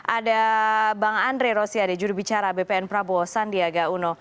ada bang andre rosiade jurubicara bpn prabowo sandiaga uno